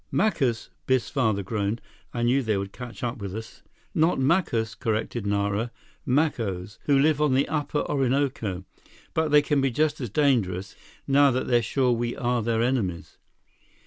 "Macus," Biff's father groaned. "I knew they would catch up with us." "Not Macus," corrected Nara. "Macos, who live on the upper Orinoco. But they can be just as dangerous, now that they're sure we are their enemies."